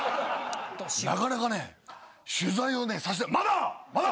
なかなかね取材をねさせてまだ！